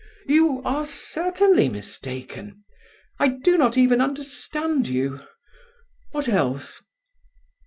"You are certainly mistaken; I do not even understand you. What else?"